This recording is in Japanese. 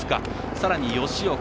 さらに吉岡。